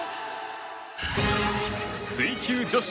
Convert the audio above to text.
水球女子